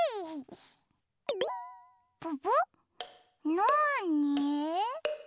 なに？